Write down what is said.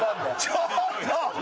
ちょっと！